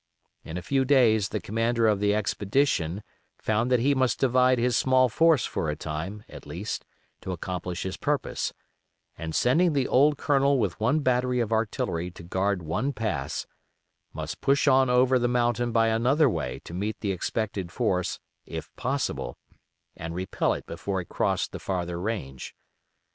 In a few days the commander of the expedition found that he must divide his small force for a time, at least, to accomplish his purpose, and sending the old Colonel with one battery of artillery to guard one pass, must push on over the mountain by another way to meet the expected force, if possible, and repel it before it crossed the farther range.